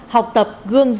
học tập gương dụng